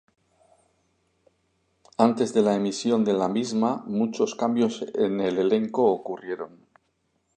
Antes de la emisión de la misma, muchos cambios en el elenco ocurrieron.